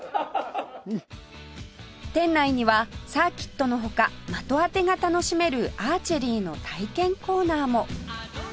店内にはサーキットの他的当てが楽しめるアーチェリーの体験コーナーも